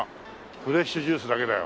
フレッシュジュースだけだよ